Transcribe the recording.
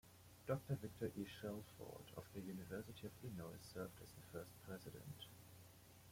Doctor Victor E. Shelford of the University of Illinois served as the first president.